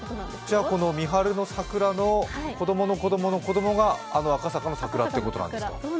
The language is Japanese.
じゃあ三春の桜の子供の子供の子供があの赤坂の桜ということなのかしら。